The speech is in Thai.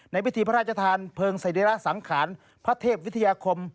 ในพิธีพระราชภาณเพิ่งสนีรักษ์สังขารพระเทพวิทยาคม